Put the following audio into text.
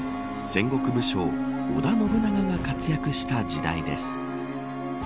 戦国武将、織田信長が活躍した時代です。